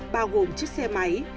bao gồm chiếc xe máy